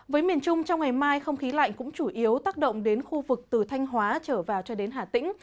với miền trung trong ngày mai không khí lạnh cũng chủ yếu tác động đến khu vực từ thanh hóa trở vào cho đến hà tĩnh